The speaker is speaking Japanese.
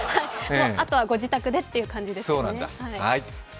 あとはご自宅でという感じですね。